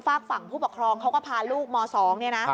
ฝากฝั่งผู้ปกครองเขาก็พาลูกม๒เนี่ยนะ